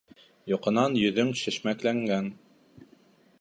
Йоҡонан йөҙөң шешмәкләнгән